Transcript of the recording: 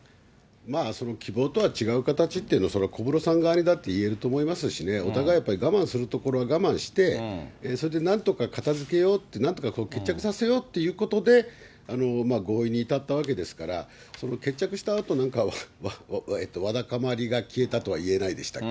その希望とは違う形っていうのは、それは小室さん側にだっていえると思いますしね、お互い我慢するところは我慢して、それでなんとか片付けようと、なんとか決着させようということで、合意に至ったわけですから、決着した後、なんかわだかまりが消えたとは言えないでしたっけ？